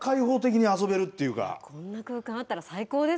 こんな空間あったら最高です